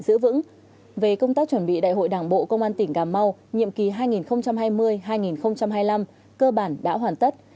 giữ vững về công tác chuẩn bị đại hội đảng bộ công an tỉnh cà mau nhiệm kỳ hai nghìn hai mươi hai nghìn hai mươi năm cơ bản đã hoàn tất